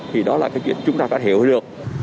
thì đó là cái chuyện chúng ta có hiểu được